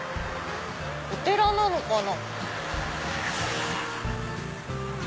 お寺なのかな。